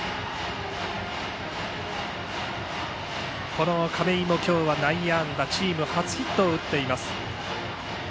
この亀井も今日は内野安打でチーム初ヒットを打っています。